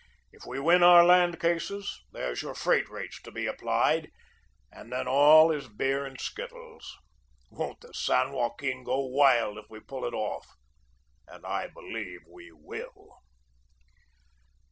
If we win our land cases, there's your new freight rates to be applied, and then all is beer and skittles. Won't the San Joaquin go wild if we pull it off, and I believe we will."